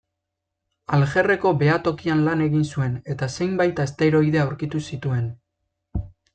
Aljerreko behatokian lan egin zuen eta zenbait asteroide aurkitu zituen.